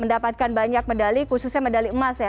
mendapatkan banyak medali khususnya medali emas ya